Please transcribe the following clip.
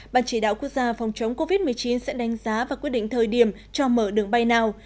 bản chỉ đạo quốc gia phòng chống covid một mươi chín sẽ đánh giá và quyết định thời điểm cho mở đường bay nào